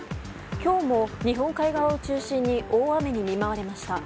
今日も日本海側を中心に大雨に見舞われました。